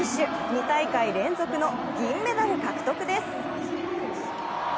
２大会連続の銀メダル獲得です。